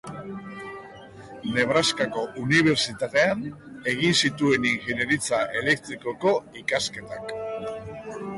Nebraskako Unibertsitatean egin zituen ingeniaritza elektrikoko ikasketak.